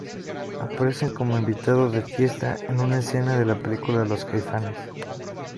Aparece como invitado de fiesta en una escena de la película Los caifanes.